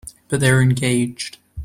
But they were engaged.